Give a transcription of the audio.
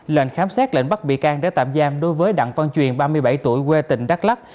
lệnh khám xét lệnh bắt bị can để tạm giam đối với đặng văn truyền ba mươi bảy tuổi quê tỉnh đắk lắc